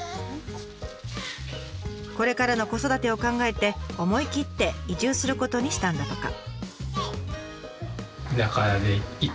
これからの子育てを考えて思い切って移住することにしたんだとか。